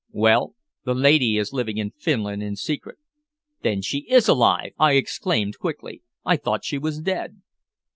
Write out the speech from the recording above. "Well the lady is living in Finland in secret." "Then she is alive!" I exclaimed quickly. "I thought she was dead."